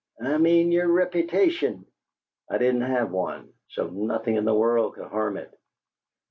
"I mean your repitation." "I didn't have one so nothing in the world could harm it.